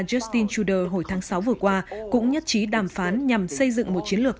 justin trudeau hồi tháng sáu vừa qua cũng nhất trí đàm phán nhằm xây dựng một chiến lược